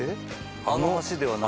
あの橋ではない。